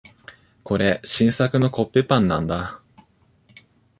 これ、新作のコッペパンなんだ。